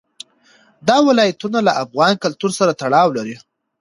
دا ولایتونه له افغان کلتور سره تړاو لري.